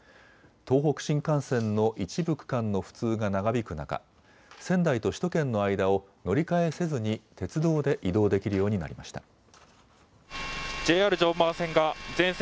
東北新幹線の一部区間の不通が長引く中、仙台と首都圏の間を乗り換えせずに鉄道で移動できるようになりました。